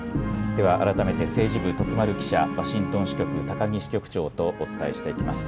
では改めて政治部、徳丸記者、ワシントン支局、高木支局長とお伝えしていきます。